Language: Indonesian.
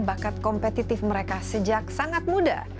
bakat kompetitif mereka sejak sangat muda